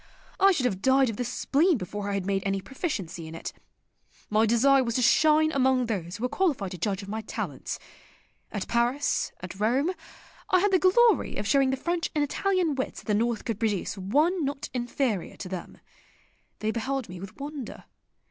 I should have died of the spleen before I had made any proficiency in it. My desire was to shine among those who were qualified to judge of my talents. At Paris, at Rome I had the glory of showing the French and Italian wits that the North could produce one not inferior to them. They beheld me with wonder.